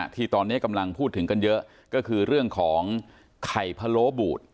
ที่ตอนนี้กำลังพูดถึงกันเยอะก็คือเรื่องของไข่พะโล้บูด